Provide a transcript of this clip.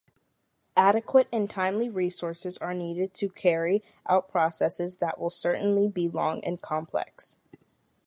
Adequate and timely resources are needed to carry out processes that will certainly be long and complex.